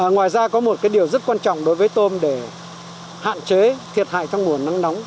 ngoài ra có một cái điều rất quan trọng đối với tôm để hạn chế thiệt hại thăng nguồn nắng nóng